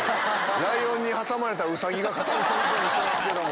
ライオンに挟まれたウサギが肩身狭そうにしてますけども。